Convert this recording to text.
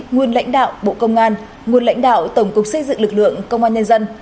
nguyên lãnh đạo bộ công an nguồn lãnh đạo tổng cục xây dựng lực lượng công an nhân dân